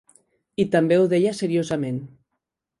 I també ho deia seriosament.